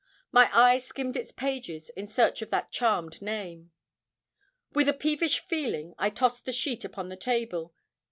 My eye skimmed its pages in search of that charmed name. With a peevish feeling I tossed the sheet upon the table.